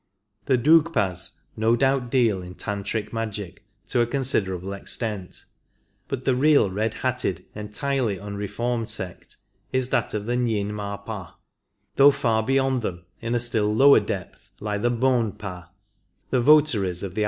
The DQgpas no doubt deal in Tantrik magic to a considerable extent, but the real red hatted entirely unreformed sect is that of the Rin m^ pa, though far beyond them in a still lower depth lie the Bon pa — the votaries of the a.